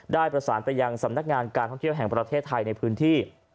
ได้ประสานไปยังสำนักงานการท่องเที่ยวแห่งประเทศไทยในพื้นที่